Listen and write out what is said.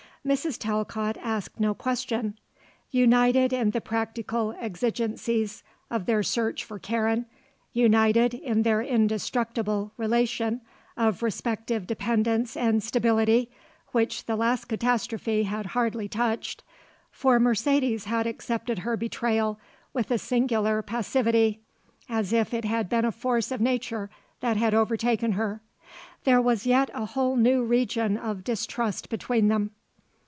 Mrs. Talcott asked no question. United in the practical exigencies of their search for Karen, united in their indestructible relation of respective dependence and stability, which the last catastrophe had hardly touched for Mercedes had accepted her betrayal with a singular passivity, as if it had been a force of nature that had overtaken her there was yet a whole new region of distrust between them.